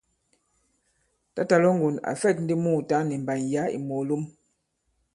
Tǎtà Lɔ̌ŋgon à fɛ̂k ndi mùùtǎŋ nì mbàn yǎ ì mòòlom.